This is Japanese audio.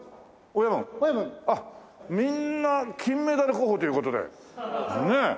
みんな金メダル候補という事でねえ。